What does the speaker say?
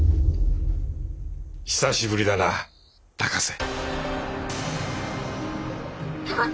久しぶりだな高瀬。